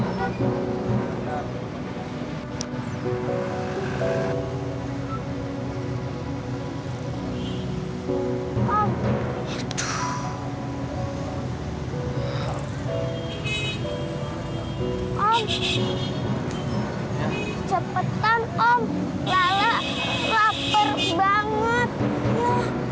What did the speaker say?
lara lapar banget